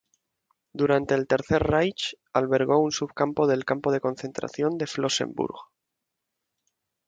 Durante el Tercer Reich, albergó un subcampo del campo de concentración de Flossenbürg.